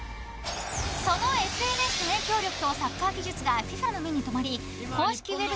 そのＳＮＳの影響力とサッカー技術がＦＩＦＡの目に留まり公式ウェブ